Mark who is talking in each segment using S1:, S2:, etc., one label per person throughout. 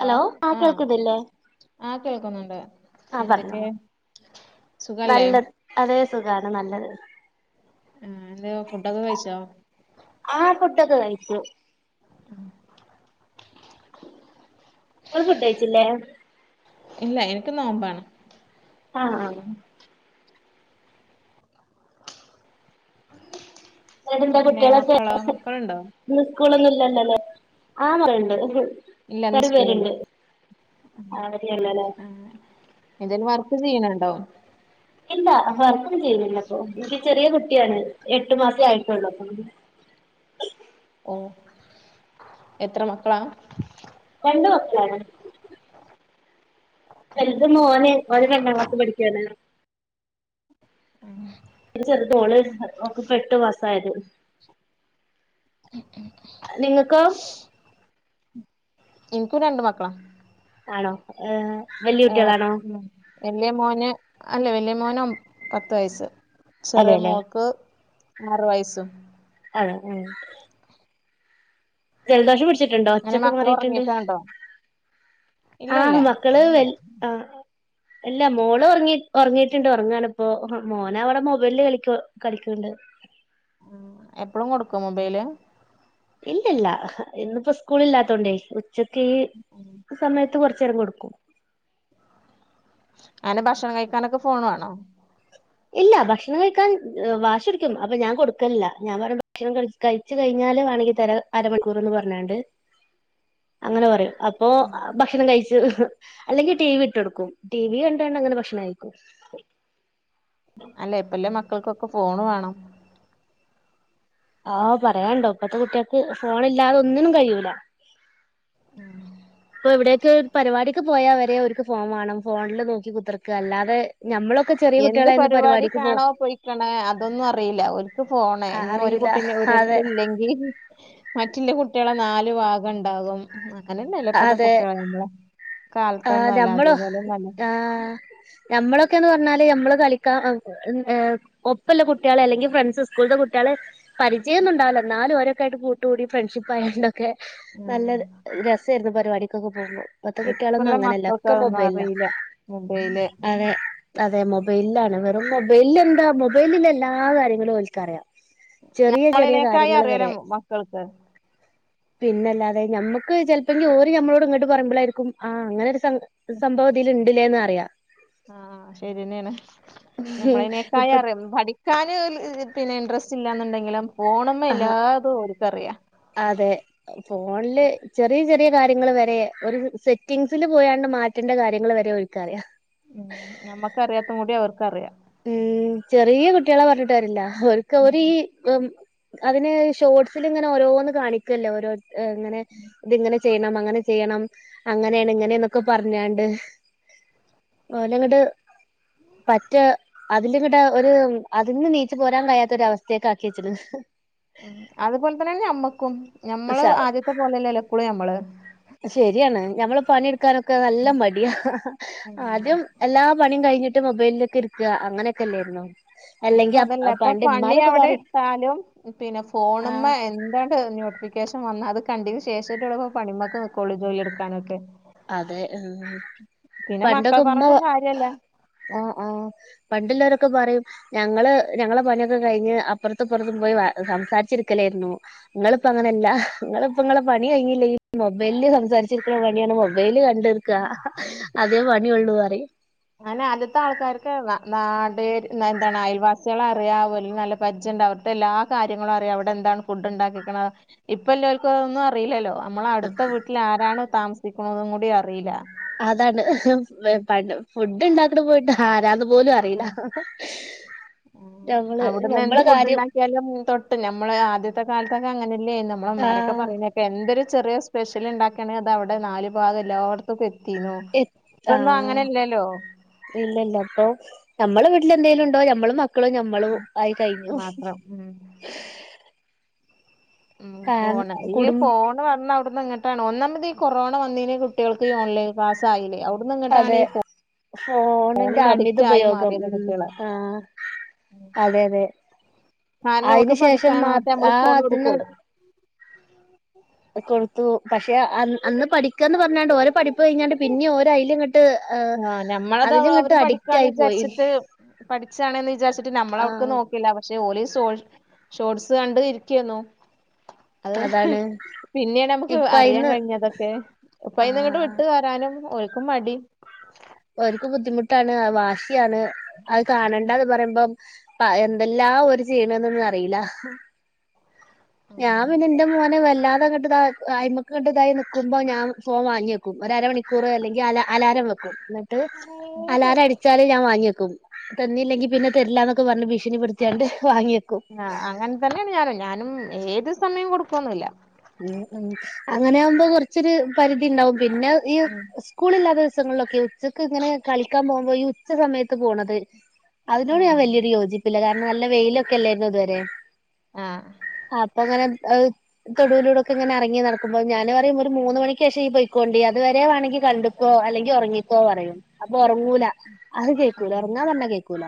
S1: Hello ആ കേൾകുന്നില്ലേ
S2: ആഹ് കേൾക്കുന്നുണ്ട്
S1: ആഹ് പറഞ്ഞോ
S2: എന്തൊക്കെ സുഖല്ലേ
S1: നല്ലത് അതേ സുഖാണ് നല്ലത്
S2: ഉം ഹലോ ഫുഡൊക്കെ കഴിച്ചോ
S1: ആഹ് ഫുഡൊക്കെ കഴിച്ചു
S2: [inaudible]
S1: ങ്ങള് ഫുഡ് കഴിച്ചില്ലേ
S2: ഇല്ല എനിക്കി നോമ്പാണ്
S1: ആഹ് ആഹ് എന്നിട്ടെന്താ
S2: പിന്നെ
S1: കുട്ടികളൊക്കെ
S2: മക്കളോ മക്കള്ണ്ടോ
S1: ഇന്ന് സ്കൂളൊന്നും ഇല്ലല്ലൊല്ലേ ആഹ് മറണ്ട്
S2: ഇല്ല ഇന്ന് സ്കൂള്ല്ല ഉം
S1: അവധിയല്ലല്ലേ
S2: ആഹ് എന്തേലും വർക്ക് ചെയ്യണണ്ടോ
S1: ഇല്ല വർക്കും ചെയ്യുന്നില്ല ഇപ്പൊ ഇൻക്ക് ചെറിയ കുട്ടിയാണ് എട്ടു മാസേ ആയിട്ടുള്ളൂ
S2: [inaudible] എത്ര മക്കളാ
S1: രണ്ടു മക്കളാണ് വലുത് മോന് അവനു രണ്ടാം ക്ലാസ് പഠിക്കുവാണ്
S2: ആഹ്
S1: ഒരു ചെറുത് ഓള് ഒൾക്ക് ഇപ്പൊ എട്ടു മിസായത്
S2: ഇൻകും രണ്ട് മക്കളാ
S1: ആണോ ഏഹ്
S2: ആ ഉം വല്ല്യ മോന് അല്ല വല്ല്യ മോന് പത്ത് വയസ് ചെറിയ
S1: അതെല്ലേ
S2: മോൾക്ക് ആറ് വയസും
S1: അ ആ ജലദോഷം പിടിച്ചിട്ടുണ്ടോ ഒ
S2: അങ്ങനെ
S1: ച്ചൊക്കെ
S2: മക്കള്
S1: മാറിയിട്ടുണ്ട്
S2: ഉറങ്ങിക്കാണ്ടോ ഇല്ല ഇല്ല
S1: ആഹ് മക്കള് വൽ ആ ഇല്ല മോള് ഒറങ്ങി ഒറങ്ങിയിട്ടുണ്ട് ഒറങ്ങാണ് ഇപ്പോ മോന് അവിടെ മൊബൈല് കളിക്ക കളിക്ക്ണ്ട്
S2: [inaudible] എപ്പളും കൊടുക്കോ മൊബൈല്
S1: ഇല്ലില്ല ഇന്നിപ്പോ സ്കൂൾ ഇല്ലാത്തോണ്ടേ ഉച്ചക്ക് ഈ സമയത്ത് കൊറച്ചേരം കൊട്ക്കും
S2: അങ്ങനെ ഭക്ഷണം കഴിക്കാനൊക്കെ ഫോണ് വേണോ
S1: ഇല്ല ഭക്ഷണം കഴിക്കാൻ വാശുടിക്കും അപ്പൊ ഞാൻ കൊടുക്കലില്ല ഞാൻ പറയും ഭക്ഷണം ക കഴിച്ച് കഴിഞ്ഞാല് വാ ണെങ്കി തരാ അരമണിക്കൂർന്ന് പറഞ്ഞാണ്ട് അങ്ങനെ പറയും അപ്പൊ ഭക്ഷണം കഴിച്ച് അല്ലെങ്കി ടി വി ഇട്ടൊട്ക്കും ടി വി കണ്ടാണ്ട് അങ്ങനെ ഭക്ഷണം കഴിക്കും
S2: അല്ല ഇപ്പല്ല മക്കൾക്കൊക്കെ ഫോണ് വേണം
S1: ആഹ് പറയാണ്ടോ ഇപ്പത്തെ കുട്യക്ക് ഫോണ് ഇല്ലാതെ ഒന്നിനും കഴൂല എവിടേക്ക് പരിപാടിക്ക് പോയാ വരെ ഓൽക്ക് ഫോൺ വേണം ഫോണില് നോക്കി കുത്തർക്ക അല്ലാതെ ഞമ്മളൊക്കെ ചെറിയ
S2: എന്ത്
S1: കുട്ടികളായിരുന്നു
S2: പരിപാടി
S1: പരിപാടിക്ക് പോ
S2: കാണോ പോയിക്കണ അതൊന്നും അറിയില്ല ഓൽക്ക് ഫോണ്
S1: ആ
S2: ഇഞ്ഞ് ഒരു
S1: അറിയൂല
S2: കുട്ടീ
S1: അതെ
S2: ൻ്റട്ത്ത് ഇല്ലെങ്കിൽ മറ്റ്ള്ള കു കുട്ടികളെ നാല് ഭാഗം ണ്ടാകും അങ്ങനല്ലല്ല ഇപ്പത്തെ കുട്ടികളെ നമ്മളെ
S1: ആ
S2: കാലത്തൊന്നും അല്ല
S1: നമ്മളോ
S2: അതേപോലെയൊന്നും അല്ല
S1: ആ നമ്മളൊക്കെന്ന് പറഞ്ഞാല് ന മ്മള് കളി ഒപ്പ കുട്ടികളെ അല്ലെങ്കിൽ ഫ്രണ്ട്സ് സ്കൂള്ത്തെ കുട്ടികളെ പരിചയ ന്നുണ്ടാവൂല നാലും ഓരൊക്കെ ആയിട്ട് കൂട്ടുകൂടി ഫ്രണ്ട്ഷിപ്പ ആയാണ്ടോ ഒക്കെ
S2: ആഹ്
S1: നല്ല രസേരുന്നു പരിപാടിക്കൊക്കെ പോകുമ്പം കുട്യളൊന്നും
S2: ഇപ്പള്ള
S1: അങ്ങനല്ല
S2: മക്കൾക്ക്
S1: ഒക്കെ
S2: അതൊന്നും
S1: മൊബൈലാ
S2: അറിയില്ല മൊബൈല്
S1: അതെ അതെ മൊ ബൈലാണ് വെറും മൊബല് എന്താ മൊബൈലിൽള്ള എല്ലാ കാര്യങ്ങളും ഒൽക്കറിയാം ചെറിയ ചെറിയ
S2: നമ്മളിനേക്കായി
S1: കാര്യങ്ങൾ
S2: അറിയാലോ
S1: വരെ
S2: മക്കൾക്ക്
S1: പിന്നെല്ലാതെ ഞമ്മക്ക് ചിലപ്പോ ങ്കി ഓര് നമ്മളോട് ഇങ്ങട്ട് പറുമ്പോഴായിരിക്കും ആ അങ്ങനെ ഒര് സംഭവം ഇതിൽ ഇണ്ട്ല്ലേന്നറിയാ
S2: ആഹ് ശരിെന്നെ ആണ് നമ്മളതിനേക്കായ
S1: ഇപ്പൊ
S2: അറിയാ പഠിക്കാന് പിന്നെ ഇൻട്രസ്റ്റ് ഇല്ലന്നുണ്ടെങ്കിലും ഫോണ്
S1: ആ
S2: മ്മെഎല്ലാതും ഓൽക്കറിയാ
S1: അതെ ഫോണില് ചെറിയ ചെറിയ കാര്യങ്ങൾ വരെ ഒരു സെറ്റിംഗ്സിൽ പോയാണ്ട് മാറ്റേണ്ട കാര്യങ്ങൾ വരെ ഒര്ക്കറിയാ
S2: ഉം നമ്മക്കറിയാത്ത കൂടി അവർക്ക് അറിയാ
S1: ഉം ചെറിയ കുട്ടികളെ പറഞ്ഞിട്ട് കാര്യല്ല അവർക്ക്
S2: ഉം
S1: ഓരീ അതിന് ഷോർട്സിൽ ഇങ്ങനെ ഓരോന്ന് കാണിക്കല്ലേ ഓരോ ഇങ്ങനെ ഇത് ഇങ്ങനെ ചെയ്യണം അങ്ങനെ ചെയ്യണം അങ്ങനെയാണ് ഇങ്ങനെന്നൊക്കെ പറഞ്ഞാണ്ട് ഓലങ്ങട് പറ്റെ അതില് ങ്ങട്ട് ഒരു അതിൽന്ന് നീച്ചു പോരാൻ കഴിയാത്ത ഒര അവസ്ഥേക്ക് ആക്കി വെച്ച്ണ്
S2: ഉം അതുപോലെ തന്നെ ഞമ്മക്കും ഞമ്മള് ആദ്യത്തെ പോലെ അല്ലല്ലോ ഇപ്പളും ഞമ്മള്
S1: ശരിയാണ് ഞമ്മള് പണിയെടുക്കാനൊക്കെ നല്ല മടിയാ
S2: ആഹ്
S1: ആദ്യം എല്ലാ പണിയും കഴിഞ്ഞിട്ട് മൊബൈല്ക്ക് ഇരിക്കാ അങ്ങനെയൊക്കെല്ലേര്ന്നോ
S2: ഇപ്പ അതല്ല ഇപ്പൊ പണി അവിടെ
S1: പറയും
S2: ഇട്ടാലും പിന്നെ
S1: ആ
S2: ഫോണ് മ്മേ എന്താണ് നോട്ടിഫി ക്കേഷൻ വന്ന അത് കണ്ടീന് ശേഷറ്റൊള്ളപ്പോ പണിമക്ക് നിക്കോളു ജോലി ഇട്ക്കാനുവൊക്കെ
S1: അതെ ആഹ് പണ്ടൊക്കെ
S2: മക്കളെ
S1: ഉമ്മ വാ
S2: പറഞ്ഞിട്ടും കാര്യല്ല
S1: ആഹ് ആഹ് പണ്ട്ല്ലോരൊ ക്കെ പറയും ഞങ്ങള് ഞങ്ങളെ പണിയൊക്കെ കഴിഞ്ഞ് അപ്പറത്തും ഇപ്പെറത്തും പോയി വാ സംസാരിച്ചിര്ക്കലേരുന്നു ഇങ്ങള്പ്പങ്ങനെല്ലാ ഇങ്ങള്പ്പ ഇങ്ങളെ പണി കഴിഞ്ഞില്ലേ മൊബൈല് സംസാരിച്ചിര്ക്ക്ണ പണിയാണ് മൊ ബൈല് കണ്ടിര്ക്കാ അതേ പണിയുള്ളു അറിം
S2: അഹെന്നേ അദ്യത്തെ ആൾക്കാര്ക്കെ വ നാടേര്ന്നാ എന്താണ് അയൽവാസിയളെ അറിയാ ഓല് നല്ല പരിചയ ണ്ട് അവിട്ത്തെ എല്ലാ കാര്യങ്ങളും അറിയാ അവിടെന്താണ് ഫുഡ് ഇണ്ടാക്കീക്ക്ണെ ഇപ്പ ഇല്ലോല്ക്ക് ഒന്നും അറീല്ലല്ലോ അമ്മളട്ത്ത വീട്ടില് ആരാണ് താമസിക്ക്ണതും കൂടി അറീല്ലാ
S1: അതാണ് വേ പണ്ട് ഫുഡ് ഇണ്ടാക്ക്ണ പോയിട്ട് ആരാന്നു പോലും അറില്ല
S2: ഉം അവിടുന്ന് എന്ത് ഫുഡ് ഉണ്ടാക്കിയാലും തൊട്ട് ഞമ്മള് ആദ്യത്തെ കാല ത്ത്ക്കെ അങ്ങനല്ലേ നമ്മളഅമ്മാരൊക്കെ
S1: ആഹ്
S2: പറയുന്നൊക്കെ എന്തൊരു ചെറിയ സ്പെഷ്യൽ ഉണ്ടാക്കണെ അതവിടെ നാല് ഭാഗ എല്ലായിടത്തും തീന്നു ഇപ്പൊന്നും
S1: ആഹ്
S2: അങ്ങനെഇല്ലല്ലോ
S1: ഞമ്മള് വീട്ടിലെന്തേലും ഉണ്ടോ ഞമ്മള് മക്കളും ഞമ്മളും ആയി കഴിഞ്ഞു
S2: മാത്രം ഉം ഉം
S1: ഫാ
S2: ഫോണ് ഈ
S1: കുടും
S2: ഫോണ് വന്ന അവിടു ന്നങ്ങാട്ടാണ് ഒന്നാമതീ കൊറോണ വന്നിന് കുട്ടികൾക്ക് ഈ ഓൺലൈൻ ക്ലാസ്സായില്ലേ അവിടുന്ന്
S1: അതെ
S2: ഇങ്ങട്ടാണ് ഈ ഫോണ്
S1: ഫോണിന്റെ അമിത ഉപയോഗം ഉം
S2: കുട്ടികള്
S1: ആഹ് അതെ അതെ
S2: കാരണം ഓർക്ക്
S1: അയിന് ശേഷം
S2: പഠിക്കാനാവട്ടെ
S1: മാത്
S2: നമ്മള്
S1: ആഹ്
S2: ഫോൺ കൊടുക്കോ
S1: അതിന് കൊടുത്തു പക്ഷേ അന് അന്ന് പഠിക്കന്ന് പറഞ്ഞാണ്ട് ഓര് പഠിപ്പു കഴിഞ്ഞാണ്ട് പിന്നിം ഓരയ്‌ല്ങ്ങണ്ട്
S2: ആഹ് ഞമ്മളത് അവ അവര്
S1: അഡിക്റ്റ്
S2: പഠിക്കാണ്
S1: ആയി പോയി
S2: വിചാരിച്ചിട്ട് പഠിച്ചാണ്ന്ന് വിചാരിച്ചിട്ട് ഞമ്മളവക്ക്
S1: ആഹ്
S2: നോക്കില്ല പക്ഷേ ഓലിസ്‌ സോഷ് ഷോർട്സ് കണ്ട് ഇരിക്കേന്നു അത്
S1: അതാണ്
S2: പിന്നെയാണ് നമ്മുക്ക്
S1: ഇപ്പ
S2: അറിയാൻ
S1: അയിന്ന്
S2: കഴിഞ്ഞതൊക്കെ ആപ്പൊ അയി നിങ്ങട്ട്
S1: ആഹ്
S2: വിട്ട് വരാനും ഓൽക്കു മടി
S1: ഓര്ക്ക് ബുദ്ധിമുട്ടാണ് വാശിയാണ് അത് കാണണ്ടന്ന് പറമ്പം അഹ് എന്തെല്ലാ ഓര് ചെയ്യ്ണ്ന്ന്ന്നു അറില്ല ഞാൻ പിന്നെ എന്റെ മോനെ വല്ലാ ങ്ങട്ട്തായി അയിമ്മക്ക്ണ്ട് തായി നിക്കുമ്പോ ഞാൻ ഫോൺ വാങ്ങി വെക്കും ഒരരമണിക്കൂർ അല്ലെങ്കി അല അലാരം വെക്കും ട്ട് അലാര അടിച്ചാല് ഞാൻ വാങ്ങിവേക്കും തന്നില്ലെങ്കി പിന്നെ തരില്ല എന്നൊക്കെ പറഞ്ഞ് ഭിഷ്ണിപ്പെടുത്തിആണ്ട് വാങ്ങിവേക്കും
S2: ആഹ് അങ്ങനെ തന്നെയാണ് ഞാനും ഞാനും ഏത് സമയം കൊടുക്കൊന്നില്ല
S1: ഉം ഉം അങ്ങനെ ആമ്പോ കൊറച്ചൊരു പരിധി ഇണ്ടാവും പിന്നെ ഈ
S2: ഉം
S1: സ്കൂളില്ലാത ദി സങ്ങൾലൊക്കെ ഉച്ചക്ക് ങ്ങനെ കളിക്കാൻ പോഉമ്പോ ഈ ഉച്ച സമയത്ത് പോണത് അതിനോട് ഞാൻ
S2: ആഹ്
S1: വല്ല്യോരു യോജിപ്പില്ല. കാരണം നല്ല വെയിലൊക്കെ അല്ലായിരുന്നോ ഇതുവരെ?
S2: ആഹ്
S1: ആപ്പങ്ങനെ അഹ് തൊടുവിലൂടെക്കെ ഇങ്ങനെ ഇറങ്ങി നടക്ക്മ്പോ ഞാന് പറയും ഒരു മൂന്ന് മണിക്കേഷം ഇയ്യ് പൊയിക്കോണ്ടി. അത് വരെ വേണെങ്കി കണ്ട്ക്കോ അൽ ങ്കി ഒറങ്ങിക്കോ പറയും. അപ്പൊ ഒറങ്ങൂല. അഹ് കേക്കൂല
S2: ആഹ്
S1: ഒറങ്ങാൻ പറഞ്ഞാ കേക്കൂല.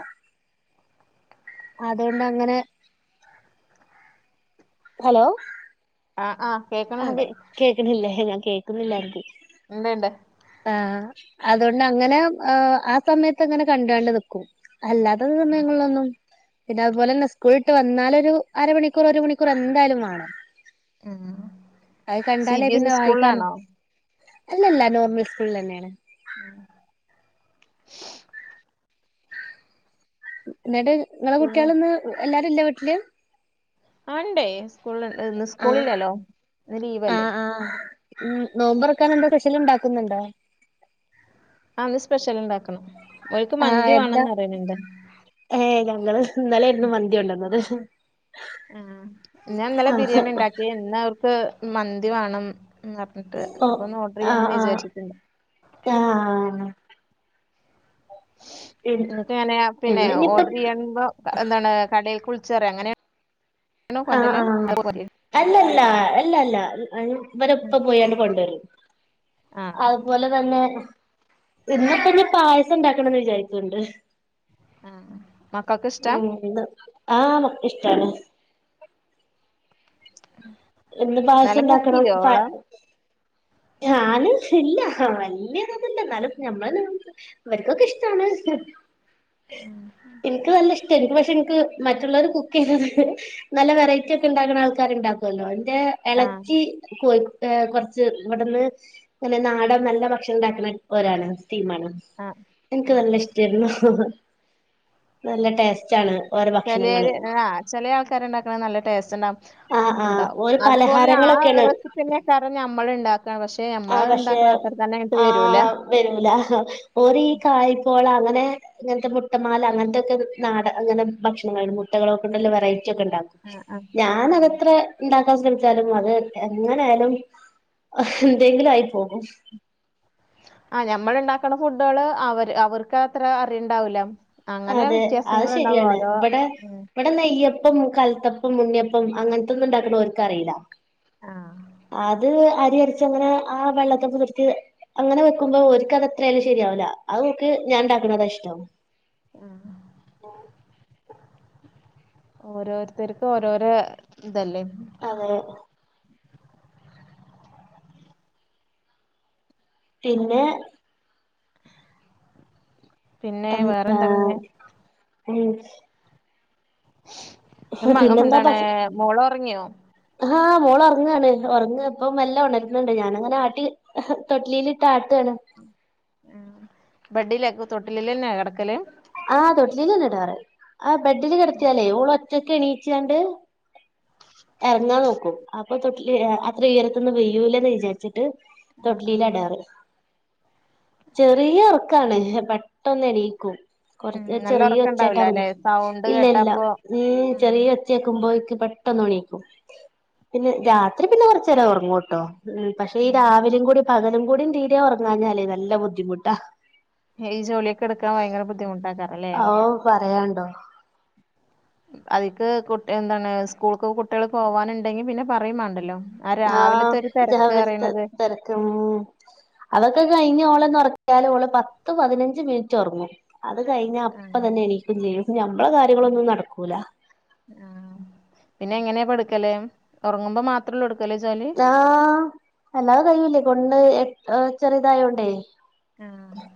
S1: അതോണ്ട് അങ്ങനെ ഹലോ
S2: ആഹ് ആഹ്
S1: ആഹ് കേ
S2: കേക്കണണ്ട്
S1: കേക്ക്ണില്ലേ? ഞാൻ കേക്കുന്നില്ലാര്കു.
S2: ഇണ്ട്ണ്ട്
S1: ആഹ് ആഹ് അതോണ്ട് അങ്ങനെ ആഹ് ആ സമയത്ത് അങ്ങനെ കണ്ടാണ്ട് നിക്കും. അല്ലാത്ത സമയങ്ങളിലൊന്നും പിന്നെ അതുപോലെ തന്നെ സ്കൂൾ ട്ട് വന്നാലൊരു അരമണിക്കൂർ ഒരു മണിക്കൂർ എന്തായാലും വാണം.
S2: ആഹ്
S1: അഹ്
S2: സി
S1: കണ്ടാലേ
S2: ബി എസ്
S1: പിന്നെ
S2: ഇ
S1: വായിക്കാനും
S2: സ്കൂളിലാണോ
S1: അല്ലല്ല നോർമൽ സ്കൂൾലെന്നേണ്.
S2: ആ
S1: എന്നിട്ട് നിങ്ങളെ
S2: പിന്നെ
S1: കുട്ട്യാള്ന്ന് എല്ലാരും ഇല്ലേ വീട്ടില്
S2: ആ ഉണ്ടേ സ്കൂൾന്ന് ന്ന്
S1: ആ
S2: സ്കൂളില്ലല്ലോ
S1: ആ
S2: ലീവല്ലേ
S1: ആ ഉം നോമ്പർക്കാനെന്താ പെഷല് ണ്ടാക്കുന്നുണ്ടോ
S2: ആ ന്ന് സ്പെഷ്യൽ ണ്ടാക്കണം ഓൽക്ക്
S1: ആ
S2: മന്തി വാണംന്ന് പറിണ് ണ്ട്
S1: ങ്ങള് ഇന്നലായിരുന്നു മന്തി കൊണ്ടന്നത്
S2: ആ ഞാൻ ഇന്നലെ ബിരിയാണി ണ്ടാക്കി ഇന്നവർക്ക് മന്തി വാണം ഉണ്ട് പറഞ്ഞിട്ട്
S1: ഓ
S2: അപ്പൊന്ന് ഓർഡർ
S1: ആ
S2: ചെയ്യാന്ന് വിചാരിച്ചിട്ടുണ്ട്
S1: ആ ആ
S2: നിനക്ക് എങ്ങനെയ പിന്നെ
S1: എന്നിനിയിപ്പം
S2: ഓർഡർ ചെയ്യാൻപോ എന്താണ് കടേൽക്ക് വിളി ച്ചറിയാ എങ്ങനെ
S1: ആ ആ അല്ലല്ല അല്ലല്ല
S2: ഉം
S1: വരെപ്പ പോയാണ്ട് കൊണ്ടരും
S2: ആഹ്
S1: അതുപോലെ തന്നെ പിന്നെപ്പന്ന് പായസം ഇണ്ടാക്കണന്ന് വിചാരിക്ക്ണ്ട്
S2: ആ മക്കക്ക് ഇഷ്ടാ
S1: ആ മക്കക്ക് ഇഷ്ടാണ് എന്ത്
S2: നല്ല
S1: പായസം
S2: കുക്ക്
S1: ണ്ടാക്കണ് പാ
S2: ചെയ്യോവോളം [inaudible]
S1: ചാലസ് ഇല്ല വല്യതന്നല്ല എന്നാലും ഞമ്മൾ അവർക്കൊക്കെ ഇഷ്ടമാണ് എനിക്ക് നല്ല ഇഷ്ട നിക്ക് പക്ഷെ എനിക്ക് മറ്റുള്ളവർ കുക്ക് ചെയ്യ നല്ല വെറൈറ്റി ഒക്കെ ഉണ്ടാക്കുന്ന ആൾക്കാർണ്ടാക്കുമല്ലോ
S2: ആഹ്
S1: ഇളക്കി കോഴ ഹ് കുറച്ച് ഇവിടുന്ന് പിന്നെ നാടൻ നല്ല ഭക്ഷണം ഉണ്ടാക്കുന്ന ഒരാണ് തീമാനം
S2: ആഹ്
S1: എനിക്ക്
S2: ആഹ്
S1: നല്ല ഇഷ്ടരുന്നു ഓരോ
S2: ചെിയ
S1: ഭക്ഷണങ്ങള്
S2: ആഹ് ചെില ആൾക്കാാര്ണ്ടാക്കണ നല്ല ടേസ്റ്റ് ഉണ്ടാവ
S1: ആ ആ
S2: ഉണ്ടാവും
S1: ഓരോ
S2: അതുപോലെ ആ
S1: പലഹാരങ്ങളൊക്കെയാണ്
S2: റെസിപ്പന്നെ കറ നമ്മള്െ ഉണ്ടാക്കാണ് പക്ഷെ നമ്മള ഉണ്ടാക്കണ മാത്രം തന്നെ ഇങ്ങട്ട്
S1: ആ്
S2: വരൂല
S1: വരൂല ഓര് കായ പ്പോ അങ്ങനെ ഇങ്ങനത്തെ മുട്ടമാൽ അങ്ങനത്തെൊക്കെ നാട അങ്ങനെ ഭക്ഷണുണ്ട് മുട്ടകളൊക്കെണ്ടല്ല വെറൈറ്റി ഒക്കെ ഉണ്ടാക്കും
S2: ആഹ് ആഹ്
S1: ഞാൻ
S2: ആഹ്
S1: അതത്ര ഉണ്ടാക്കാൻ ശ്രമിച്ചാലും അത് എങ്ങനൊയാലും എന്തെങ്കിലും ആയി പോകും
S2: ആ ഞമ്മൾ ഉണ്ടാക്കണ ഫുഡുകള് അവര് അവർക്ക് അത്ര അറിയുണ്ടാവൂല
S1: അതെ അത് ശരിയാണ് ഇവിടെ
S2: ഉം
S1: ഇവിടെ നെയ്യ പ്പം കലത്തപ്പം ഉണ്ണിയപ്പം അങ്ങനത്തൊ ഒന്നും ഉണ്ടാക്കണ അവര്ക്ക്റിയില്ല
S2: ആഹ്
S1: അത് അരി അരച്ച അങ്ങനെ ആ വെള്ളത്തെ കുതിർത്തി അങ്ങനെ വെക്കുമ്പോൾ ഒക്ക് അത് അത്രയാലും ശരിയാവില്ല അത് നോക്കക്ക് ഞാൻ ഉണ്ടാക്കണ അതാ ഇഷ്ട
S2: ആഹ ഓരോരുത്തർക്കും ഓരോരോ ഇതല്ലേ
S1: ആ പിന്നെ
S2: പിന്നെ
S1: ത
S2: വേറെന്താ പിന്നെ
S1: ഉ
S2: മകം എന്തണ
S1: ഭക്ഷ
S2: മോള ഉറങ്ങിയോ
S1: ആഹ് മോള ഉറങ്ങാണ് ഉറങ്ങ ഇപ്പം വല്ല ഉണരുന്നുുന്നുണ്ട് ഞാനങ്ങനെ ആട്ടി തൊട്ടിലിയിലിട്ട് ആട്ട് ആണ
S2: ഉ ബഡിയിലക്ക തൊട്ടിലില്ലന്നെ കിടക്ക
S1: ആഹ തൊട്ടിലീലന്നെടാറെ ആ ബെഡില് കിടത്തിയാലേ ഓള് ഒറ്റക്കെ എണീച്ചാണ്ട് ഇറങ്ങാ നോക്കും അപ്പൊ തൊട്ടില് അത്ര ഉയരത്തൊന്നന്ന് വെയ്യൂല്ലന്ന് വിചാരിച്ചിട്ട്
S2: ഉം
S1: തൊട്ടലിയില അടാറ് ചെറിയ ഉറക്കാണ് പെട്ടന്ന്ടി കൊറച്ച്
S2: നല്ല
S1: ചെറിയ
S2: ഉറക്കണ്ടാവൂല
S1: ഒച്ചായിട്ടാ മതി
S2: ല്ലെ സൗണ്ട്
S1: ഇല്ല ഇല്ല
S2: കേട്ടാപ്പൊ
S1: ഉ ചെറിയ ഒച്ചയക്കുമ്പോ പെട്ടന്ന് എണീക്കും പിന്നെ രാത്രി പിന്നെ കൊറച്ച നേരം ഉറങ്ങട്ടോ ഉ പക്ഷെ ഈ രാവിലും കൂടി പകലും കൂടിയും തീരെ ഉറങ്ങാഞ്ഞാല്േ നല്ല ബുദ്ധിമുട്ടാ
S2: ഈ ജോല്യോക്കെ എടുക്കാൻ ഭയങ്കര ബു
S1: ഓഹ് പറയാണ്ടോ.
S2: അതിക്ക് കു എന്താണ് സ്കൂൾക്ക് കുട്ടികൾ പോവാനുണ്ടെങ്കി പിന്നെ പറയും മാണ്ടല്ലോ. ആ
S1: ആഹ്
S2: രാവിലത്തെ ഒരു തിരക്ക്
S1: രാവ്ൽതെ
S2: അറിയണത്
S1: തിരക്കും അതൊക്കെ കഴിഞ്ഞ ഓളന്നൊർ ക്ക്യാല് ഓള് പത്ത് പതിനഞ്ച് മിനിറ്റ് ഒറങ്ങും. അത് കഴിഞ്ഞ
S2: ആഹ്
S1: അപ്പ തന്നെ എനിക്കും ചെയ്യും. ഞമ്മള കാര്യങ്ങളൊന്നും നടക്കൂല
S2: ആഹ് പിന്നെങ്ങനാ പടുക്കല്ലേ ഉറങ്ങുമ്പോ മാത്രള്ളൂ എടു
S1: താഹ് അല്ലാതെ കയ്യൂല്ലേ കൊണ്ട് എ എ ചെറ്തായോണ്ടേ
S2: ആഹ്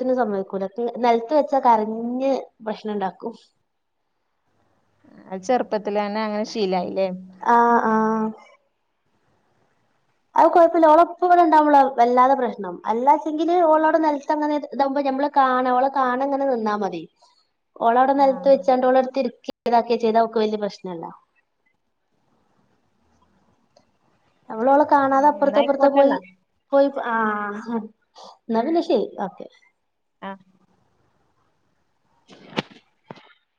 S1: ത്തിനും സമ്മയ്ക്കൂല തി നെൽത് വെച്ചാ കരഞ് പ്രശ്നണ്ടാക്കും.
S2: ചെറുപ്പത്തിലെന്നെ അങ്ങനെ ശീലായില്ലേ
S1: ആഹ് അഹ് കൊയ്പ്പല്ല ഓളപ്പ ഇവടെണ്ടാഉമ്പളാ വല്ലാതെ പ്രശ്നം. അല്ലാച്ചെങ്കില് ഓളോട് നെൽത്തങ്ങനെ ത് താഉമ്പ ഞമ്മെൾ കാണെ ഓളെ കാണെ ഇങ്ങെനെ നിന്നാ മതി ഓളെ അയുടെ നെൽത്ത് വെച്ചാണ്ട് ഓളെ എര്ത്ത് ഇര്ക്കെ ഇതാക്കെ ചെയ്താ ഓക്ക് വല്ല്യ പ്രശ്നം ഇല്ല നമ്മെൾ ഒളെ കാണാതെ
S2: ഉം
S1: അപ്പെർത്തോ ഇപ്പെർത്തോ പോയി
S2: ന്നായിക്കോട്ടെന്നാ
S1: പോയി ആഹ് ഇന്നാ പിന്നെ ശെരി ഓക്കെ
S2: ആഹ്